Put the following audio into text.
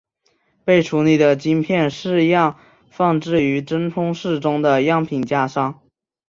被处理的晶片试样放置于真空室中的样品架上。